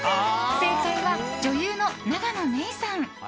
正解は、女優の永野芽郁さん。